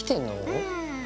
うん。